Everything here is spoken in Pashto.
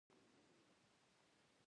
هغوی د غیبي غږونو د ثبت لپاره لیکل کول.